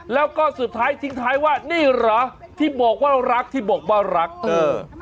แล้วก็สุดท้ายทิ้งท้ายว่านี่เหรอที่บอกว่ารักที่บอกว่ารักเออ